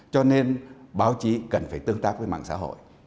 cho nên báo chí cần phải tương tác với mạng xã hội